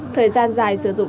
thời gian dài sử dụng